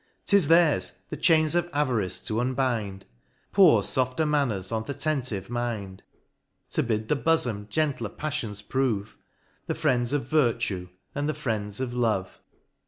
'Tis theirs, the chains of avarice to unbind, Pour fofter manners on th' attentive mind ; To bid the bofom gentler pafTions prove ; The friends of Virtue, and the friends of Love.